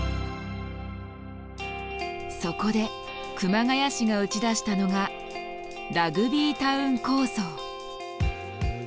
そこで熊谷市が打ち出したのがラグビータウン構想。